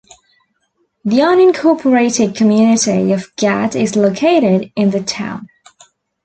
The unincorporated community of Gad is located in the town.